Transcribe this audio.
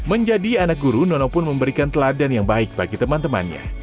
menjadi anak guru nono pun memberikan teladan yang baik bagi teman temannya